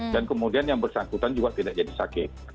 dan kemudian yang bersangkutan juga tidak jadi sakit